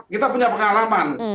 kita punya pengalaman